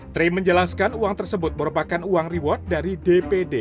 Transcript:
tri menjelaskan uang tersebut merupakan uang reward dari dpd